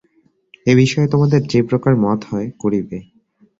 এ বিষয়ে তোমাদের যে প্রকার মত হয়, করিবে।